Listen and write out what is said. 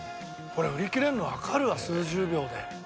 これ売り切れるのわかるわ数十秒で。